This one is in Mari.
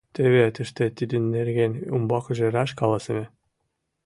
Теве тыште тидын нерген умбакыже раш каласыме.